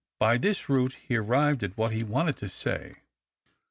By this route he arrived at what he wanted to say.